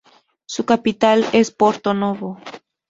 Su capital es Porto Novo.